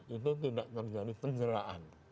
itu tidak terjadi penjaraan